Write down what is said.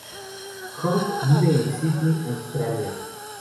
Hung vive en Sídney, Australia.